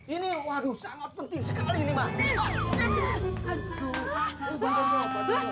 ini waduh sangat penting sekali ini mbak